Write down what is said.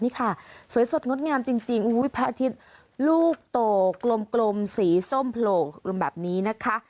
นี่ค่ะสวยสดงดงามจริงพระอาทิตย์ลูกโตกลมสีส้มโผล่ลงแบบนี้นะคะ